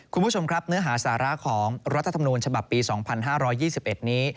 คุณผู้ชมครับเนื้อหาสาระของรัฐธรรมนูญฉบับปี๒๕๒๑นี้